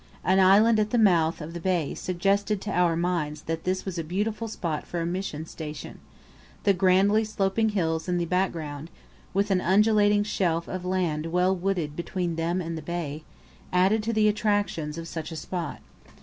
An island at the mouth of the bay suggested to our minds that this was a beautiful spot for a mission station; the grandly sloping hills in the background, with an undulating shelf of land well wooded between them and the bay, added to the attractions of such a spot.